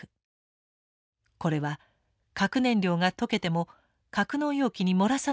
これは核燃料が溶けても格納容器に漏らさないための対策です。